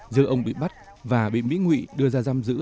giữa ông bị bắt và bị mỹ ngụy đưa ra giam giữ